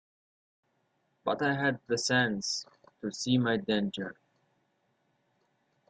But I had the sense to see my danger.